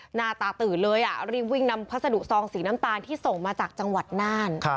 หน้าตาตื่นเลยรีบวิ่งนำพัสดุซองสีน้ำตาลที่ส่งมาจากจังหวัดน่าน